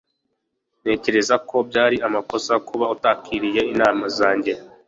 Ntekereza ko byari amakosa kuba atakiriye inama zanjye.